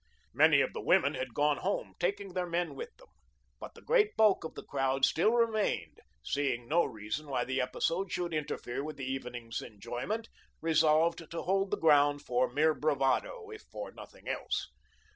Many of the women had gone home, taking their men with them; but the great bulk of the crowd still remained, seeing no reason why the episode should interfere with the evening's enjoyment, resolved to hold the ground for mere bravado, if for nothing else.